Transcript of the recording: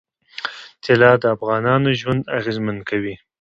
طلا د افغانانو ژوند اغېزمن کوي.